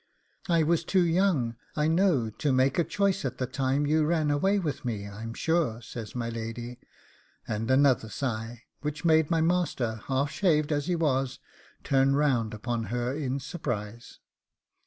'I was too young, I know, to make a choice at the time you ran away with me, I'm sure,' says my lady, and another sigh, which made my master, half shaved as he was, turn round upon her in surprise.